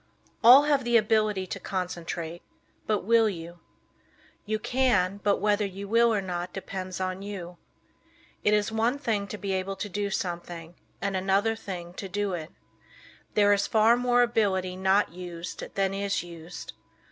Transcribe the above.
All have the ability to concentrate, but will you? You can, but whether you will or not depends on you. It is one thing to be able to do something, and another thing to do it. There is far more ability not used than is used.